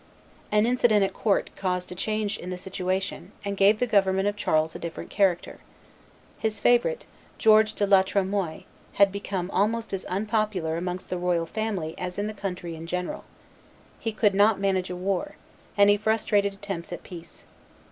An incident at court caused a change in the situation, and gave the government of Charles a different character. His favorite, George de la Tremoille, had become almost as unpopular amongst the royal family as in the country in general. He could not manage a war, and he frustrated attempts at peace.